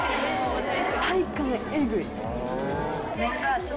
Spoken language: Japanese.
体幹エグい！